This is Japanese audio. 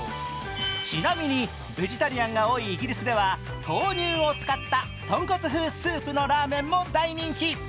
ちなみにベジタリアンが多いイギリスでは豆乳を使ったとんこつ風スープのラーメンも大人気。